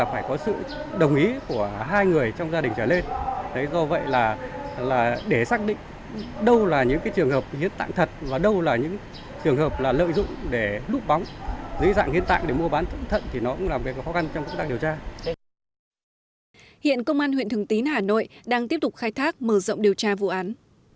hiện công an huyện thường tín hà nội đang tiếp tục khai thác mở rộng điều tra vụ án